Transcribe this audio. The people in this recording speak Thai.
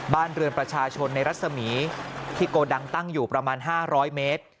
บ้านเรือนประชาชนในรัศมีที่โกดังตั้งอยู่ประมาณ๕๐๐เมตร